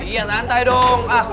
iya santai dong